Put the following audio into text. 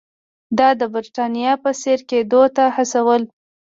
دا د برېټانیا په څېر کېدو ته هڅول.